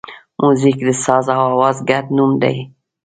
موزیک د ساز او آواز ګډ نوم دی.